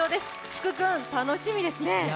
福くん、楽しみですね。